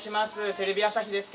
テレビ朝日です。